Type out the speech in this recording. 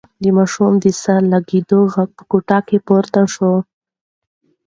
د ماشوم د سر د لگېدو غږ په کوټه کې پورته شو.